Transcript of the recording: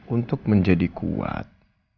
untuk menjadi kuat